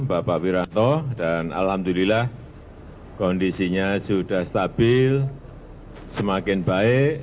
bapak wiranto dan alhamdulillah kondisinya sudah stabil semakin baik